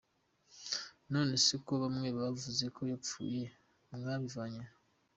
nonese ko bamwe bavuzeko yapfuye mwabivanye he ?